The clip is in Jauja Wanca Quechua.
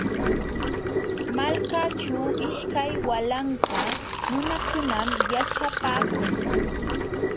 Malkaaćhu ishkay walanka nunakunam yaćhapaakun.